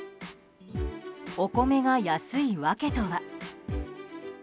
お米が安い訳とは。